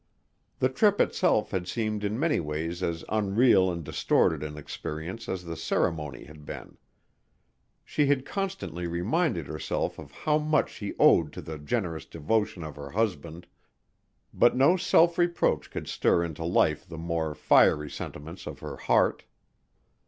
The trip itself had seemed in many ways as unreal and distorted an experience as the ceremony had been. She had constantly reminded herself of how much she owed to the generous devotion of her husband, but no self reproach could stir into life the more fiery sentiments of her heart.